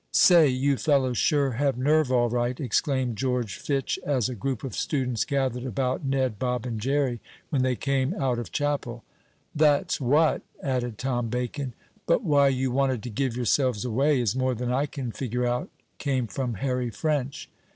"Say, you fellows sure have nerve all right!" exclaimed George Fitch, as a group of students gathered about Ned, Bob and Jerry when they came out of chapel. "That's what!" added Tom Bacon. "But why you wanted to give yourselves away is more than I can figure out," came from Harry French.